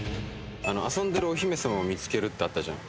あの遊んでるお姫様を見つけるってあったじゃん